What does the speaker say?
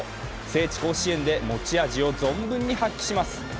聖地・甲子園で持ち味を存分に発揮します。